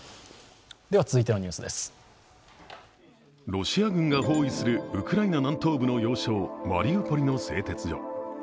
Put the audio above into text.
ロシア軍が包囲するウクライナ南東部の要衝マリウポリの製鉄所。